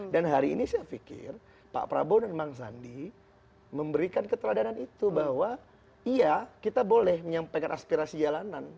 dan hari ini saya pikir pak prabowo dan bang sandi memberikan keteradaanan itu bahwa iya kita boleh menyampaikan aspirasi jalanan